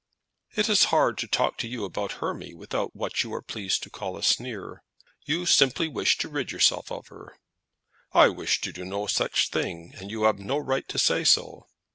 "It is hard to talk to you about Hermy without what you are pleased to call a sneer. You simply wish to rid yourself of her." "I wish no such thing, and you have no right to say so."